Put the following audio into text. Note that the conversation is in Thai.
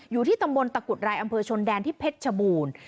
อยู่ที่ตำบลตะกุดรายอำเภอชนแดนที่เพชรชบูรณ์